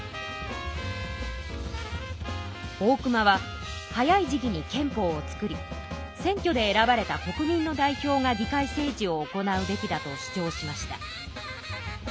大隈は早い時期に憲法を作り選挙で選ばれた国民の代表が議会政治を行うべきだと主張しました。